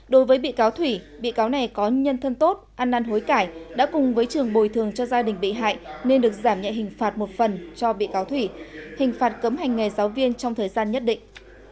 đối với bị cáo thủy bị cáo này có nhân thân tốt ăn năn hối cải đã cùng với trường bồi thường cho gia đình bị hại nên được giảm nhẹ hình phạt một phần cho bị cáo thủy hình phạt cấm hành nghề giáo viên trong thời gian nhất định